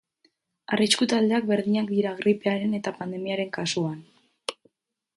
Arrisku taldeak berdinak dira gripearen eta pandemiaren kasuan.